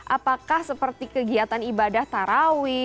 apakah seperti kegiatan ibadah tarawih